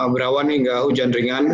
berawan hingga hujan ringan